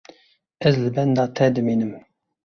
Ez li benda te dimînim.